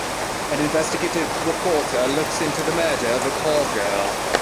An investigative reporter looks into the murder of a call girl.